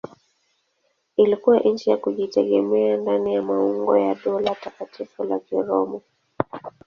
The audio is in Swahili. Ilikuwa nchi ya kujitegemea ndani ya maungano ya Dola Takatifu la Kiroma.